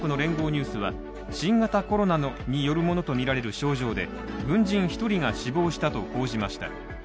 ニュースは、新型コロナによるものとみられる症状で、軍人１人が死亡したと報じました。